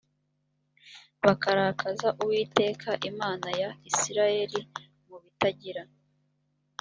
bakarakaza uwiteka imana ya isirayeli ku bitagira